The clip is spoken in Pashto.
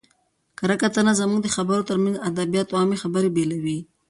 کره کتنه زموږ د خبرو ترمنځ ادبیات او عامي خبري بېلوي.